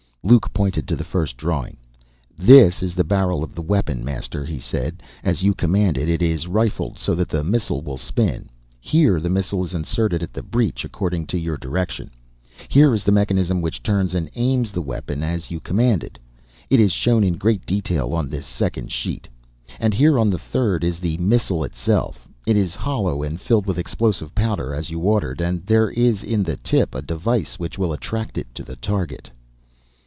Luke pointed to the first drawing. "This is the barrel of the weapon, Master," he said. "As You commanded, it is rifled so that the missile will spin. Here the missile is inserted at the breech, according to Your direction. Here is the mechanism which turns and aims the weapon, as You commanded. It is shown in greater detail on this second sheet.... And here, on the third, is the missile itself. It is hollow and filled with explosive powder, as You ordered, and there is in the tip a device which will attract it to the target."